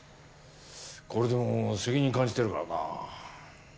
これでも責任感じてるからな。